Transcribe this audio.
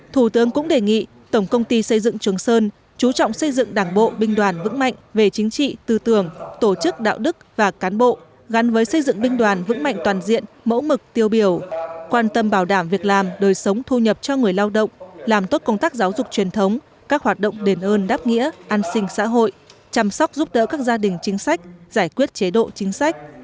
thủ tướng cũng đề nghị tổng công ty xây dựng trường sơn chú trọng xây dựng đảng bộ binh đoàn vững mạnh về chính trị tư tưởng tổ chức đạo đức và cán bộ gắn với xây dựng binh đoàn vững mạnh toàn diện mẫu mực tiêu biểu quan tâm bảo đảm việc làm đời sống thu nhập cho người lao động làm tốt công tác giáo dục truyền thống các hoạt động đền ơn đáp nghĩa an sinh xã hội chăm sóc giúp đỡ các gia đình chính sách giải quyết chế độ chính sách